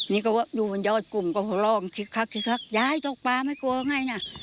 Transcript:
นี่ก็ว่าอยู่บนยอดกลุ่มก็ลองคลิกคลักอย่าให้ตกปลาไม่กลัวไงนะ